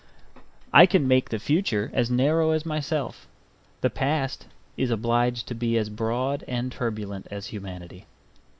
I can make the future as narrow as myself; the past is obliged to be as broad and turbulent as humanity.